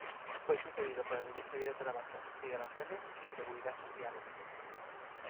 Fue sucedido por el Ministerio de Trabajo, Migraciones y Seguridad Social.